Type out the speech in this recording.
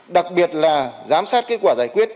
đặc biệt là giám sát kết quả giải quyết